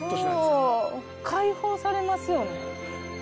そう解放されますよね。